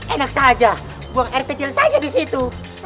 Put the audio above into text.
enak saja buang air kecil saja di situ